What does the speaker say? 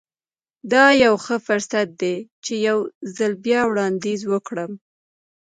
دا يو ښه فرصت دی چې يو ځل بيا وړانديز وکړم.